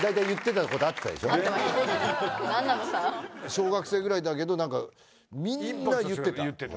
小学生ぐらいだけどみんな言ってた。